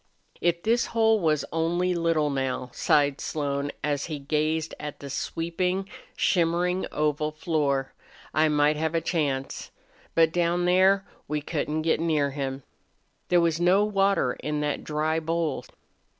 "If this hole was only little, now," sighed Slone, as he gazed at the sweeping, shimmering oval floor, "I might have a chance. But down there we couldn't get near him." There was no water in that dry bowl.